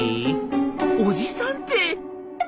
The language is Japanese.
「おじさんって」。